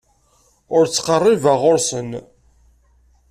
Ur ttqerribeɣ ɣer-sen.